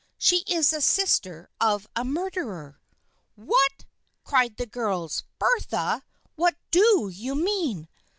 She is the sister of a murderer." " What !" cried the girls. '/ Bertha ! What do you mean